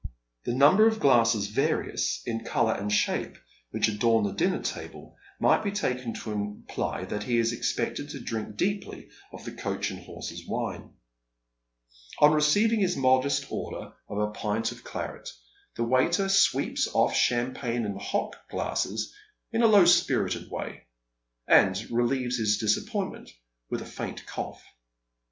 The number of glasses, various in colour and shape, which adorn the dinner table, might be taken to imply that he is expected to drink deeply of the " Coach and Horses " wine. On receiving his modest order of a pint of claret, the waiter sweeps ofE champagne and hock glasses in a low spirited way, and raMeves his disappointment with a faint cough.